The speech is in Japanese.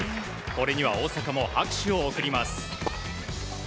これには大坂も拍手を送ります。